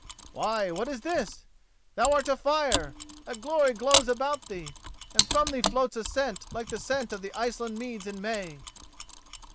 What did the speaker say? Why, what is this? Thou art afire, a glory glows about thee, and from thee floats a scent like the scent of the Iceland meads in May."